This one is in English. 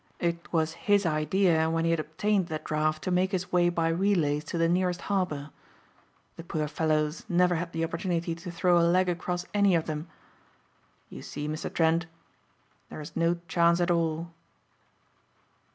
It was his idea when he had obtained the draft to make his way by relays to the nearest harbour. The poor fellows never had the opportunity to throw a leg across any of them. You see, Mr. Trent, there is no chance at all."